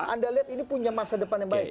anda lihat ini punya masa depan yang baik